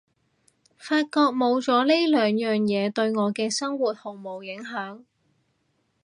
發現冇咗呢兩樣嘢對我嘅生活毫無影響